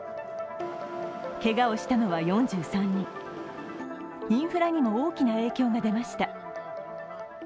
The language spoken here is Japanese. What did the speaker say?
けがをしたのは４３人、インフラにも大きな影響が出ました。